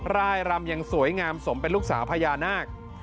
ร่ายรำยังสวยงามสมเป็นลูกสาวพญานาค